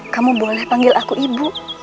kamu boleh panggil aku ibu